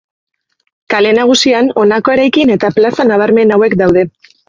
Kale Nagusian honako eraikin eta plaza nabarmen hauek daude.